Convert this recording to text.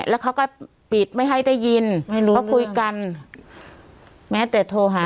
แล้วเขาก็ปิดไม่ให้ได้ยินไม่รู้เขาคุยกันแม้แต่โทรหา